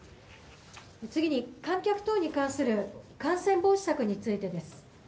次に観客等に関する感染防止策についてです。